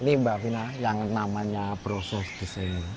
ini mbak vina yang namanya proses desain